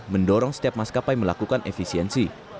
mendorong setiap maskapai melakukan efisiensi